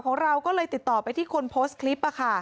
ของเราก็เลยติดต่อไปที่คนโพสต์คลิป